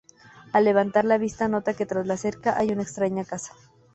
Al levantar la vista nota que tras la cerca hay una extraña casa.